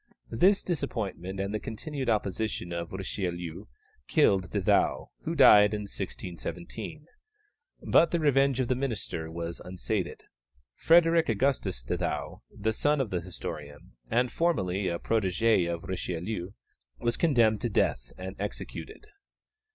This disappointment and the continued opposition of Richelieu killed De Thou, who died in 1617. But the revenge of the minister was unsated. Frederick Augustus de Thou, the son of the historian, and formerly a protégé of Richelieu, was condemned to death and executed.